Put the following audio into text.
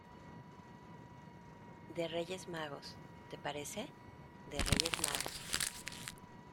de Reyes Magos, ¿ te parece? de Reyes Magos.